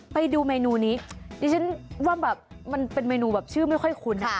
ไปดูเมนูนี้ดิฉันว่าแบบมันเป็นเมนูแบบชื่อไม่ค่อยคุ้น